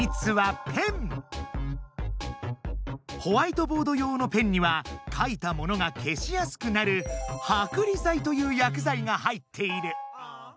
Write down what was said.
ホワイトボード用のペンにはかいたものが消しやすくなるはくり剤という薬剤が入っている。